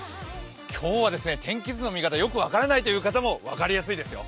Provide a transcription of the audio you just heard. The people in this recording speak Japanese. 今日は天気図の見方、よく分からないという方も分かりやすいですよ。